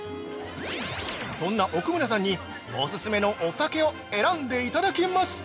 そんな奥村さんにおすすめのお酒を選んでいただきました。